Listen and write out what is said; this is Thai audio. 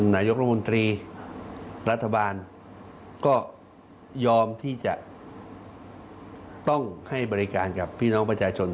นายกรมนตรีรัฐบาลก็ยอมที่จะต้องให้บริการกับพี่น้องประชาชน